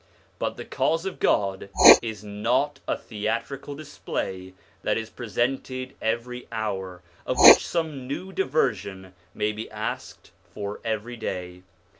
But the Cause of God is not a theatrical display that is presented every hour, of which some new diversion may be asked for every day.